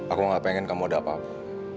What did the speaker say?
aku gak pengen kamu ada apa apa